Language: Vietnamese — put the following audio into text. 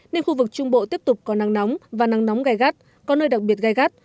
nên khu vực trung bộ tiếp tục có nắng nóng và nắng nóng gai gắt có nơi đặc biệt gai gắt